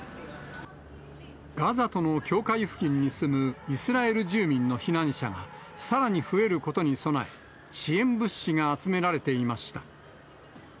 ガザとの境界付近に住むイスラエル住民の避難者がさらに増えることに備え、支援物資が集められていました。